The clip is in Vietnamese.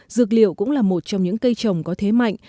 dược liệu cũng là một trong những cây trồng có thế mạnh